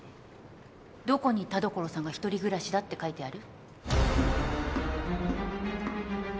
どこに田所さんが一人暮らしだって書いてある？